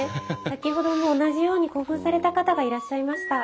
先ほども同じように興奮された方がいらっしゃいました。